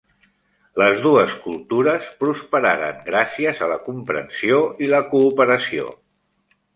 Les dues cultures prosperaren gràcies a la comprensió i la cooperació.